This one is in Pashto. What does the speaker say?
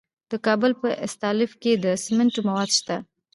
د کابل په استالف کې د سمنټو مواد شته.